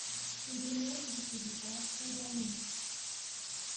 El primero que se publicara fue "Dynamite".